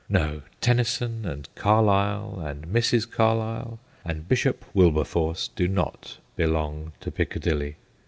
No ; Tennyson and Carlyle and Mrs. Carlyle and Bishop Wilberforce do not belong to Piccadilly.